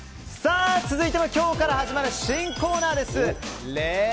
続いても今日から始まる新コーナーです。